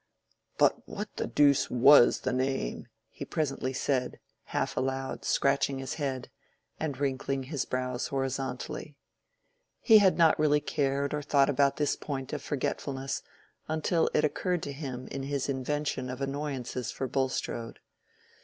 "But what the deuce was the name?" he presently said, half aloud, scratching his head, and wrinkling his brows horizontally. He had not really cared or thought about this point of forgetfulness until it occurred to him in his invention of annoyances for Bulstrode.